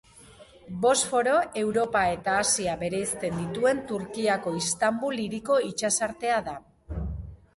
Bosforo Europa eta Asia bereizten dituen Turkiako Istanbul hiriko itsasartea da.